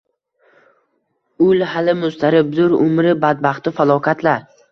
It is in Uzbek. Ul hali muztaribdur, umri badbaxti falokat-la